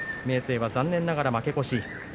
明生は残念ながら負け越し。